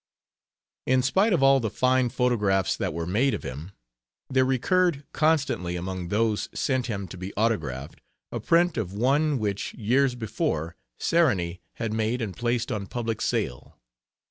In spite of all the fine photographs that were made of him, there recurred constantly among those sent him to be autographed a print of one which, years before, Sarony had made and placed on public sale.